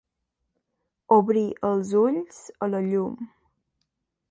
Obrir els ulls a la llum.